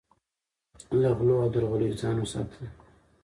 له غلو او درغلیو ځان وساتئ.